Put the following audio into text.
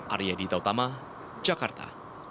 arya dita utama jakarta